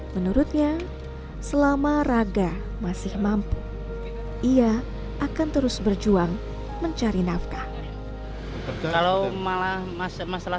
menurutnya selama raga masih mampu ia akan terus berjuang mencari nafkah kalau malah masalah